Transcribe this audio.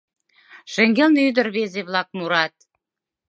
Шеҥгелне ӱдыр-рвезе-влак мурат.